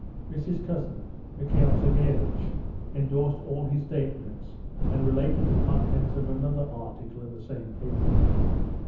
Missy's cousin, Michael Sergeivitch, endorsed all his statements, and related the contents of another article in the same paper.